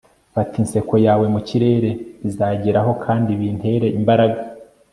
Fata inseko yawe mu kirere bizageraho kandi bintere imbaraga